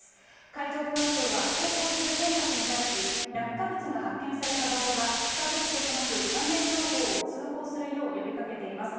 海上保安庁は、航行する船舶に対し、落下物が発見された場合は近づくことなく、関連情報を通報するよう呼びかけています。